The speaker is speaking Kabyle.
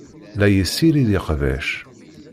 La yessirid iqbac.